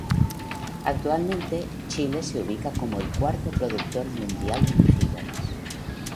Actualmente, Chile se ubica como el cuarto productor mundial de mejillones.